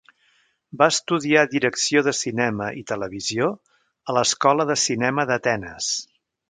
Va estudiar direcció de cinema i televisió a l'Escola de Cinema d'Atenes.